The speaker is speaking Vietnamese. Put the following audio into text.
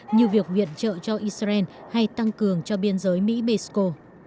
như việc viện trợ cho israel hay tăng cường cho biên giới mỹ mexico